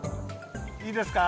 いいですか？